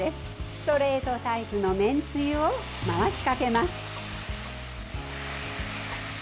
ストレートタイプのめんつゆを回しかけます。